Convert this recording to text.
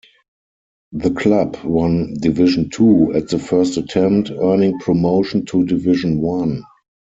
The club won Division Two at the first attempt, earning promotion to Division One.